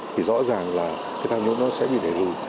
thì rõ ràng là cái tham nhũng nó sẽ bị đẩy lùi